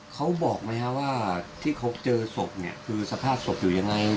เขาบอกไหมครับว่าที่เขาเจอศพเนี่ยคือสภาพศพอยู่ยังไง